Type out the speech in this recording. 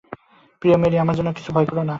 প্রিয় মেরী, আমার জন্য কিছু ভয় করো না।